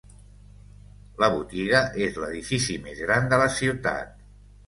La botiga és l'edifici més gran de la ciutat.